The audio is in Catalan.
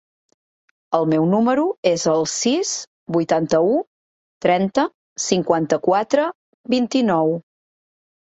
El meu número es el sis, vuitanta-u, trenta, cinquanta-quatre, vint-i-nou.